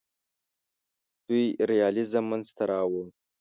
دوی ریالیزم منځ ته راوړ.